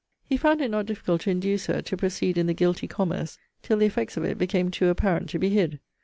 He found it not difficult to induce her to proceed in the guilty commerce, till the effects of it became to apparent to be hid.